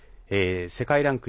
世界ランク